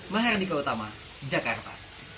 maharnika utama jakarta